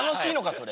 それ。